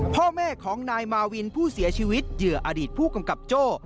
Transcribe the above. พ่อแม่ของนายมาวินผู้เสียชีวิตเหยื่ออดีตผู้กำกับโจ้